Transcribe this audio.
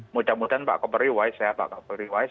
mudah mudahan pak kopri wise ya pak kopri wise